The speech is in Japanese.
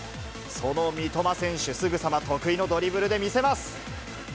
その三苫選手、すぐさま、得意のドリブルで見せます。